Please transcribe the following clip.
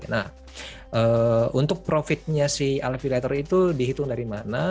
nah untuk profitnya si alvirator itu dihitung dari mana